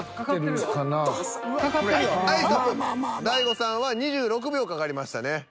大悟さんは２６秒かかりましたね。